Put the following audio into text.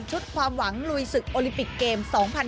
ความหวังลุยศึกโอลิมปิกเกม๒๐๑๖